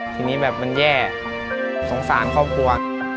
ทีนี้แบบมันแย่สงสารครอบครัว